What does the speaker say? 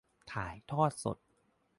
ถ่ายทอดสด